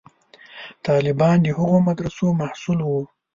طالبان د هغو مدرسو محصول وو.